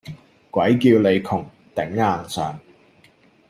鬼叫你窮頂硬上